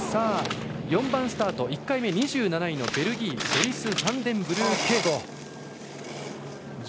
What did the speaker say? ４番スタート、１回目２７位のベルギー、ファンデンブルーケ。